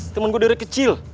temen gue dari kecil